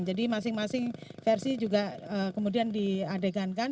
jadi masing masing versi juga kemudian diadegankan